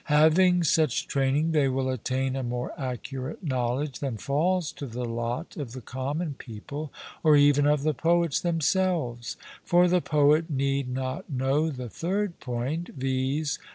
Having such training, they will attain a more accurate knowledge than falls to the lot of the common people, or even of the poets themselves. For the poet need not know the third point, viz.